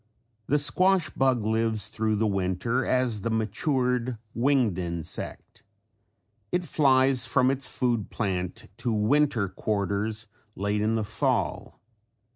] The squash bug lives thru the winter as the matured winged insect. It flies from its food plant to winter quarters late in the fall.